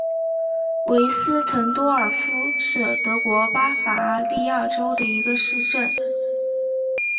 韦斯滕多尔夫是德国巴伐利亚州的一个市镇。